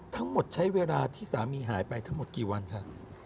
ทั้งหมดใช้เวลาที่สามีหายไปทั้งหมดกี่วันค่ะ